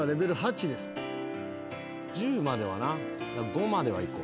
５まではいこう。